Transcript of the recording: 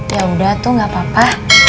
ya udah tuh gak apa apa